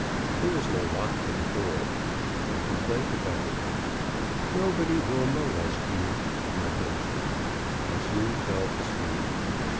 There was no lock to the door; I complained about it. "Nobody will molest you," said my host. I soon fell to sleep.